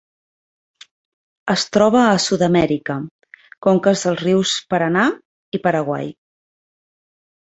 Es troba a Sud-amèrica: conques dels rius Paranà i Paraguai.